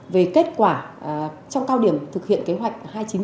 về kết quả trong cao điểm thực hiện kế hoạch hai trăm chín mươi chín